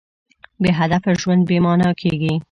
بېهدفه ژوند بېمانا کېږي.